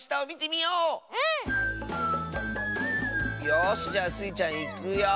よしじゃあスイちゃんいくよ。